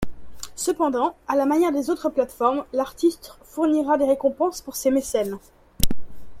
Cependant, à la manière des autres plateformes, l'artiste fournira des récompenses pour ses mécènes.